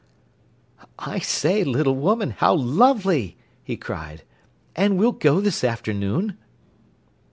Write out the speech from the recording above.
"I say, little woman, how lovely!" he cried. "And we'll go this afternoon?"